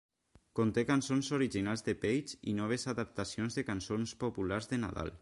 Conté cançons originals de Paige i noves adaptacions de cançons populars de Nadal.